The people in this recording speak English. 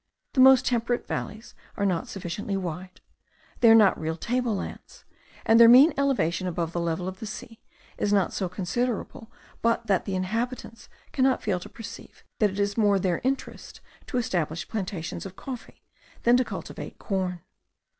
The most temperate valleys are not sufficiently wide; they are not real table lands; and their mean elevation above the level of the sea is not so considerable but that the inhabitants cannot fail to perceive that it is more their interest to establish plantations of coffee, than to cultivate corn.